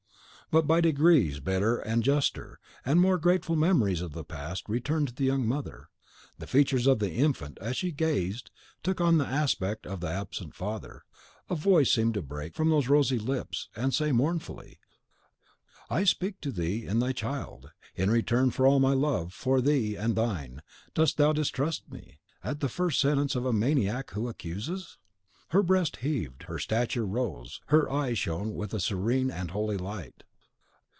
But by degrees better and juster and more grateful memories of the past returned to the young mother. The features of the infant, as she gazed, took the aspect of the absent father. A voice seemed to break from those rosy lips, and say, mournfully, "I speak to thee in thy child. In return for all my love for thee and thine, dost thou distrust me, at the first sentence of a maniac who accuses?" Her breast heaved, her stature rose, her eyes shone with a serene and holy light.